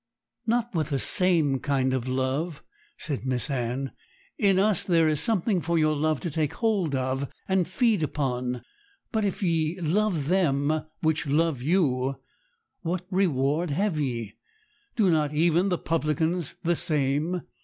'Not with the same kind of love,' said Miss Anne; 'in us there is something for your love to take hold of and feed upon. "But if ye love them which love you, what reward have ye? do not even the publicans the same?"